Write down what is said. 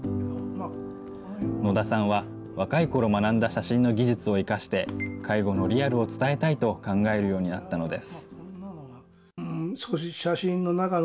野田さんは、若いころ学んだ写真の技術を生かして、介護のリアルを伝えたいと考えるようになったのです。